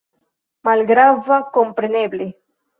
"Malgrava, kompreneble," la Reĝo diris laŭte.